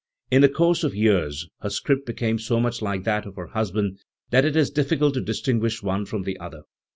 In the course of years her script became so much like that of her husband that it is difficult to distinguish one from the other.